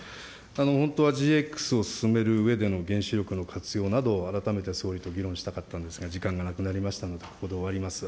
本当はＧＸを進めるうえでの原子力の活用など、改めて総理と議論したかったんですが、時間がなくなりましたので、ここで終わります。